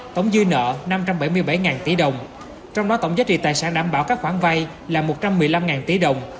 tổng dư nợ năm trăm bảy mươi bảy tỷ đồng trong đó tổng giá trị tài sản đảm bảo các khoản vay là một trăm một mươi năm tỷ đồng